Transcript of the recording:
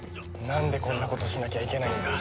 なんでこんなことしなきゃいけないんだ。